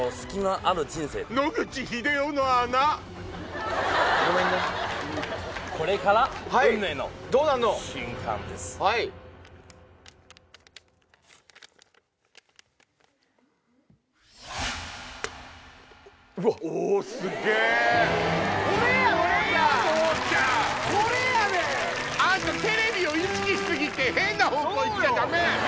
あんたテレビを意識し過ぎて変な方向行っちゃダメ！